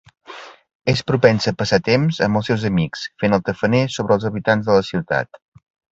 És propensa a passar temps amb els seus amics fent el tafaner sobre els habitants de la ciutat.